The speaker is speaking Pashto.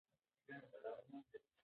ماشوم په خپلو پښو کې لړزه لرله.